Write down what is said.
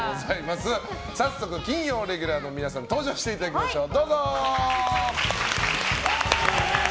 早速金曜レギュラーの皆さんに登場していただきましょう。